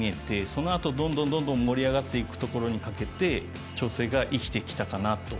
その後どんどん盛り上がっていくところにかけて調整が生きてきたかなと。